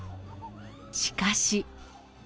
しかし。